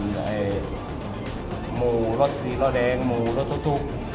ผมทันมูรถซีร่อแดงรถตก